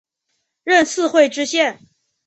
任四会知县。